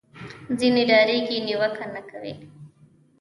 ځینې ډارېږي نیوکه نه کوي